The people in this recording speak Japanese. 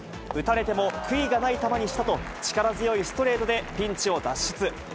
打たれても悔いがない球にしたと、力強いストレートでピンチを脱出。